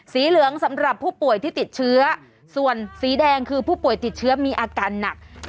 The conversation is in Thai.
เหลืองสำหรับผู้ป่วยที่ติดเชื้อส่วนสีแดงคือผู้ป่วยติดเชื้อมีอาการหนัก